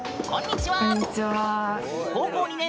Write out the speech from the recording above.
こんにちは！